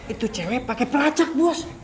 itu cewek pakai pelacak bos